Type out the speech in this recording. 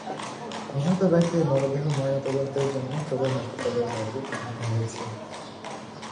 নিহত ব্যক্তির মরদেহ ময়নাতদন্তের জন্য সদর হাসপাতালের মর্গে পাঠানো হয়েছে।